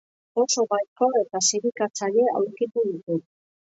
Oso baikor eta zirikatzaile aurkitu ditut.